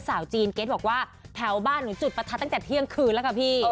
สาวจีนเก็ตบอกว่าแถวบ้านหนูจุดประทัดตั้งแต่เที่ยงคืนแล้วค่ะพี่